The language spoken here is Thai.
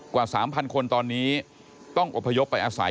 กว่า๓๐๐คนตอนนี้ต้องอบพยพไปอาศัย